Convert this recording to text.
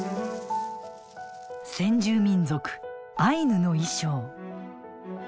先住民族アイヌの衣装。